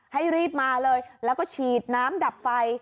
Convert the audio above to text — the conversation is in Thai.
ให้รีบมาเลยแล้วก็ฉีดน้ำดับไฟ